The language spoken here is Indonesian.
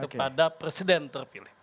kepada presiden terpilih